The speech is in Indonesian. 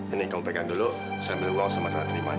ini kamu pegang dulu saya ambil uang sama cara terimanya